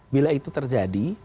bila itu terjadi